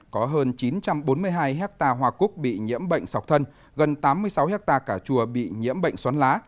có hơn chín trăm bốn mươi hai hectare hoa cúc bị nhiễm bệnh sọc thân gần tám mươi sáu hectare cà chua bị nhiễm bệnh xoắn lá